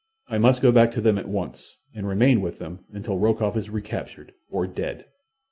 I must go back to them at once, and remain with them until Rokoff is recaptured—or dead."